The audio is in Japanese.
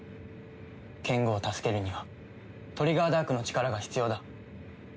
ケンゴを助けるにはトリガーダークの力が必要だ。